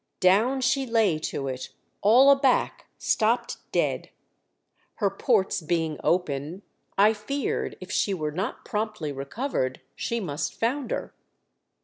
Down she lay to it, all aback — stopped dead. Her ports being open, I feared if she were not promptly recovered, she must founder.